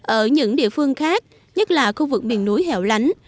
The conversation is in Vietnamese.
ở những địa phương khác nhất là khu vực miền núi hẹo lánh